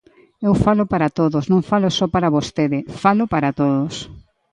Eu falo para todos, non falo só para vostede, falo para todos.